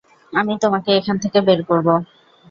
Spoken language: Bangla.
আমি তোমাকে এখান থেকে বের করবো।